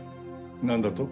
何だと？